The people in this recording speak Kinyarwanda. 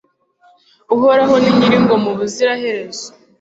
uhoraho ni nyir'ingoma ubuziraherezo